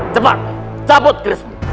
cepat cabut kerismu